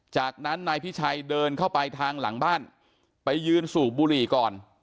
จากนั้นนายพิชัยเดินเข้าไปทางหลังบ้านไปยืนสูบบุหรี่ก่อน